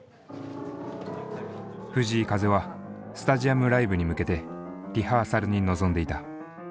藤井風はスタジアムライブに向けてリハーサルに臨んでいた。